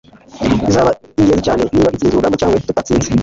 bizaba ingenzi cyane niba dutsinze urugamba cyangwa tutatsinze